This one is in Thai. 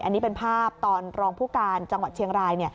อันนี้เป็นภาพตอนรองผู้การจังหวัดเชียงราย